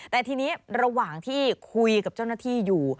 แต่ทีนี้ระหว่างที่คุยกับเจ้าหน้าที่อยู่